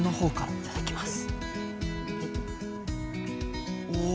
いただきます。